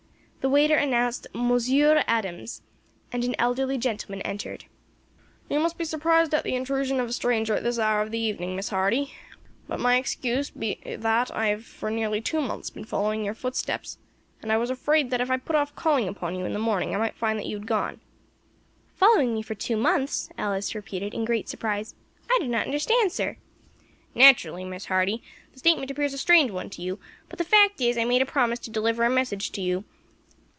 The waiter announced Monsieur Adams, and an elderly gentleman entered. "You must be surprised at the intrusion of a stranger at this hour of the evening, Miss Hardy; but my excuse must be that I have for nearly two months been following your footsteps, and I was afraid that if I put off calling upon you until the morning I might find that you had gone." "Following me for two months!" Alice repeated, in great surprise. "I do not understand, sir." "Naturally, Miss Hardy, the statement appears a strange one to you; but the fact is I made a promise to deliver a message to you.